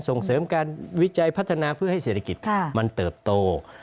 ส่งเสริมการวิจัยพัฒนาเพื่อให้เศรษฐกิจมันเติบโต